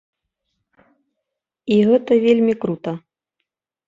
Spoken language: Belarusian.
І гэта вельмі крута.